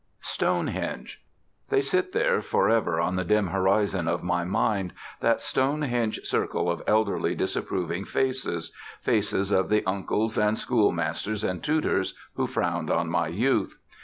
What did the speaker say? STONEHENGE They sit there for ever on the dim horizon of my mind, that Stonehenge circle of elderly disapproving Faces Faces of the Uncles and Schoolmasters and Tutors who frowned on my youth.